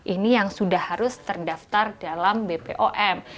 ini yang sudah harus terdaftar dalam bpom